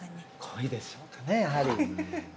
恋でしょうかねやはり。